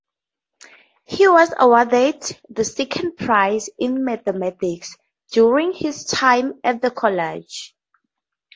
He was awarded the second prize in mathematics during his time at the college.